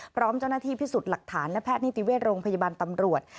พร้อมเจ้าหน้าที่พิสูจน์หลักฐานและแพทย์นิติเวชโรงพยาบาลตำรวจ